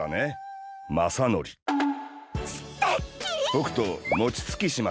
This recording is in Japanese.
ぼくと餅つきしませんか？